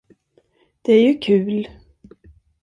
Det är ju kul.